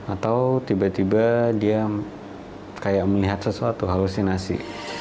atau tiba tiba dia kayak melihat sesuatu halusinasi